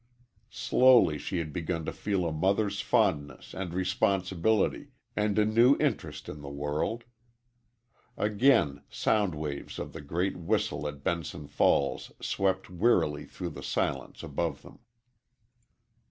Slowly she had begun to feel a mother's fondness and responsibility and a new interest in the world. Again sound waves of the great whistle at Benson Falls swept wearily through the silence above them.